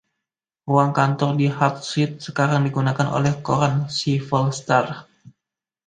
Ruang kantor di Hartshead sekarang digunakan oleh koran “Sheffield Star”.